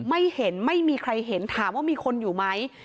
ไม่เห็นไม่มีใครเห็นถามว่ามีคนอยู่ไหม